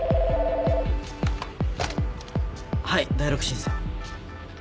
☎はい第六審査。